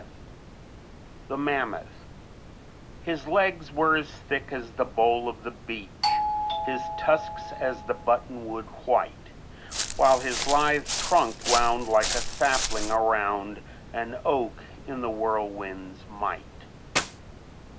Knight._] X THE MAMMOTH "_His legs were as thick as the bole of the beech, His tusks as the buttonwood white, While his lithe trunk wound like a sapling around An oak in the whirlwind's might.